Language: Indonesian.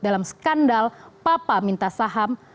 dalam skandal papa minta saham